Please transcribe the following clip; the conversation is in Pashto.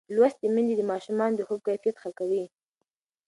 لوستې میندې د ماشومانو د خوب کیفیت ښه کوي.